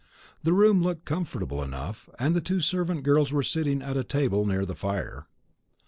The room looked comfortable enough, and the two servant girls were sitting at a table near the fire.